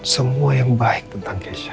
semua yang baik tentang indonesia